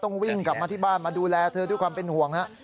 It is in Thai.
วิ่งกลับมาที่บ้านมาดูแลเธอด้วยความเป็นห่วงฮะ